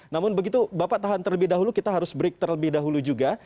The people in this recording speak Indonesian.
namun begitu bapak tahan terlebih dahulu kita harus break terlebih dahulu juga